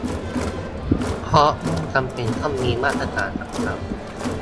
เพราะไม่จำเป็นต้องมีมาตรฐานกำกับ